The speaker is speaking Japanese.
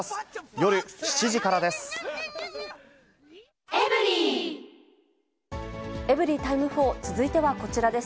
夜７時からです。